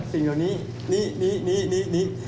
สิ่งเหล่านี้นี้นี้นี้นี้